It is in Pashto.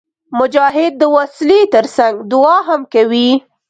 مجاهد د وسلې تر څنګ دعا هم کوي.